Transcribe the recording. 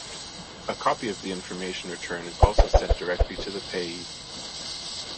A copy of the information return is also sent directly to the payee.